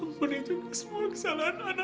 ampuni juga semua kesalahan anak anak kami ya allah